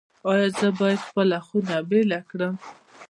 ایا زه باید خپله خونه بیله کړم؟